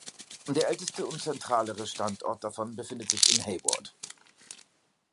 Der älteste und zentralere Standort davon befindet sich in Hayward.